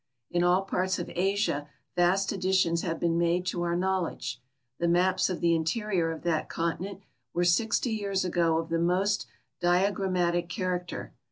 In all parts of Asia vast additions have been made to our knowledge; the maps of the interior of that continent were sixty years ago of the most diagrammatic character.